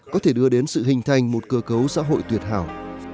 có thể đưa đến sự hình thành một cơ cấu xã hội tuyệt hào